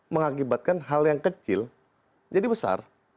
mengakibatkan hal yang kecil jadi besar